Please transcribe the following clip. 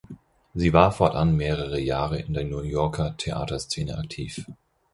Sie war fortan mehrere Jahre in der New Yorker Theaterszene aktiv.